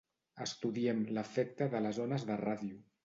Estudiem l'efecte de les ones de ràdio.